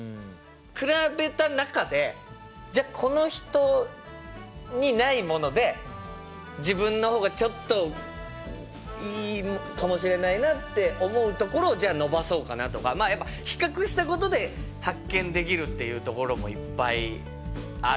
比べた中でじゃあこの人にないもので自分の方がちょっといいかもしれないなって思うところをじゃあ伸ばそうかなとかまあやっぱ比較したことで発見できるっていうところもいっぱいあるから。